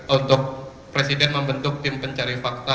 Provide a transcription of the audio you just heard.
untuk presiden membentuk tim pencari fakta